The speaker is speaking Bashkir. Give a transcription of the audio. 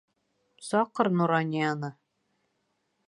Саҡыр Нуранияны.